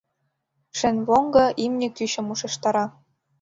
Шенвоҥго имне кӱчым ушештара.